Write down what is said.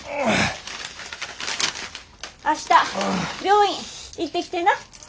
明日病院行ってきてな。